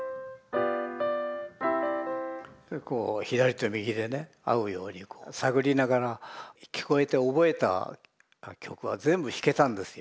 こう左と右でね合うように探りながら聞こえて覚えた曲は全部弾けたんですよ